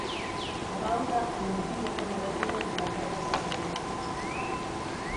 Sabauda è l'antico nome latino della Casa Savoia.